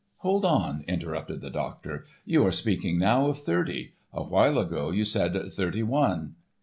"Hold on," interrupted the doctor, "you are speaking now of thirty. A while ago you said thirty one."